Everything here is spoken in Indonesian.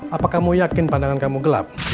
apakah kamu yakin pandangan kamu gelap